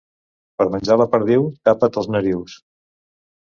Per menjar la perdiu, tapa't els narius.